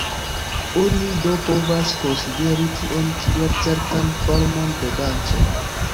Oni do povas konsideri tion kiel certan formon de danco.